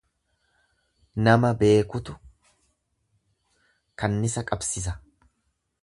Nama beekutu kannisa qabsisa.